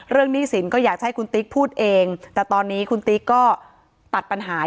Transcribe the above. หนี้สินก็อยากจะให้คุณติ๊กพูดเองแต่ตอนนี้คุณติ๊กก็ตัดปัญหา